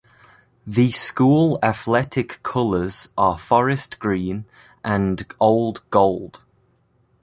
The school athletic colors are forest green and old gold.